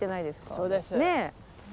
そうです。